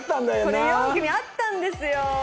これ４組あったんですよ。